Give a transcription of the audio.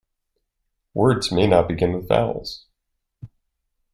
Words may not begin with vowels.